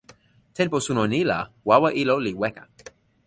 tenpo suno ni la wawa ilo li weka.